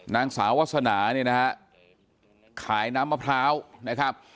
นางสาววาสนาเนี่ยนะฮะขายน้ำมะพร้าวนะครับ